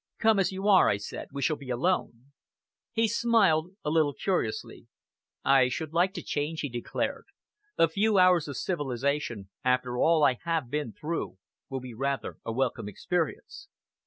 "Come as you are," I said. "We shall be alone!" He smiled a little curiously. "I should like to change," he declared. "A few hours of civilization, after all I have been through, will be rather a welcome experience."